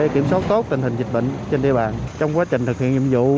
kiểm soát tốt tình hình dịch bệnh trên địa bàn trong quá trình thực hiện nhiệm vụ